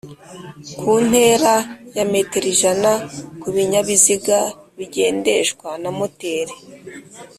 ku ntera ya metero ijana ku binyabiziga bigendeshwa na moteri